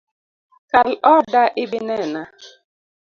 Kal oda ibinena